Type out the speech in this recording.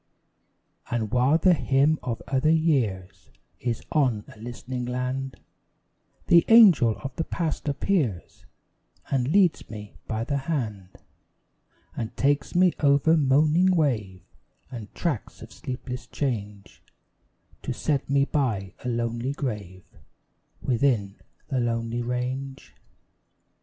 And while the hymn of other years Is on a listening land, The Angel of the Past appears And leads me by the hand; And takes me over moaning wave, And tracts of sleepless change, To set me by a lonely grave Within a lonely range.